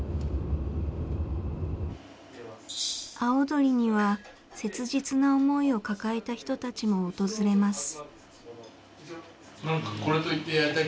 葵鳥には切実な思いを抱えた人たちも訪れます。